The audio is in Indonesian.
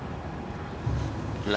aku coba ngeyakinin dia tentang kita